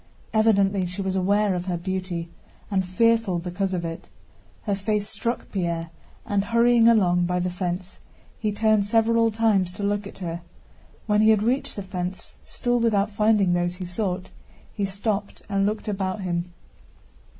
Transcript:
Evidently she was aware of her beauty and fearful because of it. Her face struck Pierre and, hurrying along by the fence, he turned several times to look at her. When he had reached the fence, still without finding those he sought, he stopped and looked about him.